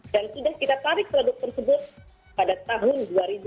dan sudah kita tarik produk tersebut pada tahun dua ribu sembilan